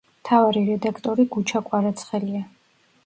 მთავარი რედაქტორი გუჩა კვარაცხელია.